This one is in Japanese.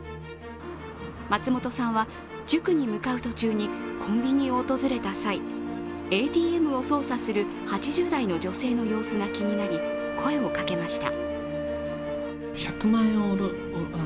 松本さんは、塾に向かう途中にコンビニを訪れた際ＡＴＭを操作する８０代の女性の様子が気になり、声をかけました。